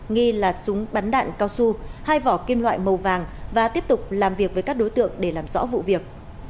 nghi là súng bắn đạn cao su hai vỏ kim loại màu vàng và tiếp tục làm việc với các đối tượng để làm rõ vụ việc